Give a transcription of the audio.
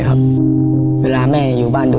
ลองกันถามอีกหลายเด้อ